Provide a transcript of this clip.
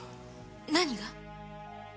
何が？